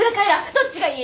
どっちがいい？